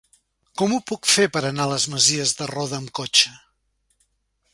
Com ho puc fer per anar a les Masies de Roda amb cotxe?